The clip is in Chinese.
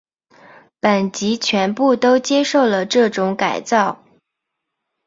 本级全部都接受了这种改造。